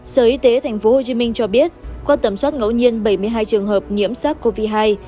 sở y tế tp hcm cho biết qua tẩm soát ngẫu nhiên bảy mươi hai trường hợp nhiễm sắc covid hai